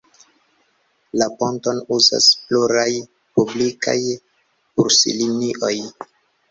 La ponton uzas pluraj publikaj buslinioj.